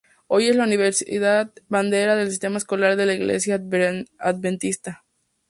Hoy es la universidad bandera del sistema escolar de la Iglesia Adventista.